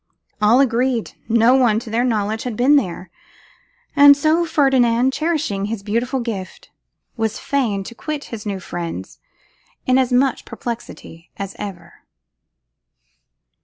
All agreed no one, to their knowledge, had been there; and so Ferdinand, cherishing his beautiful gift, was fain to quit his new friends in as much perplexity as ever.